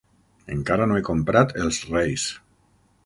Encara no he comprat els reis.